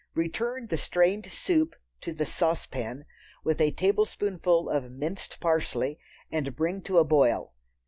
Return the strained soup to the saucepan, with a tablespoonful of minced parsley, and bring to a boil.